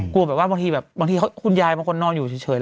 กลัวแบบว่าบางทีแบบบางทีคุณยายบางคนนอนอยู่เฉย